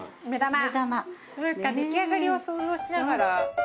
出来上がりを想像しながら。